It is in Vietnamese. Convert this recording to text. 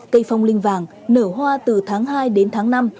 cây phong linh vàng nở hoa từ tháng hai đến tháng năm